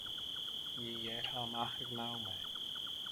Ní dhéarfá amach ag an am é.